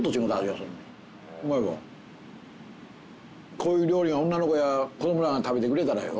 こういう料理を女の子や子供らが食べてくれたらよ